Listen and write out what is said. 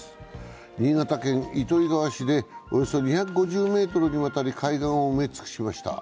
新潟県糸魚川市でおよそ２５０ｍにわたり海岸を埋め尽くしました。